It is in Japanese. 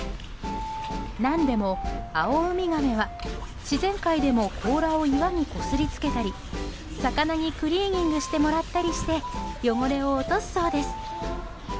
何でも、アオウミガメは自然界でも甲羅を岩にこすりつけたり魚にクリーニングしてもらったりして汚れを落とすそうです。